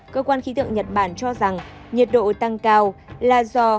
cơ quan khí tượng nhật bản cho rằng nhiệt độ tăng cao là do